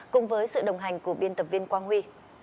cùng với sự đồng hành của biên tập viên quang huy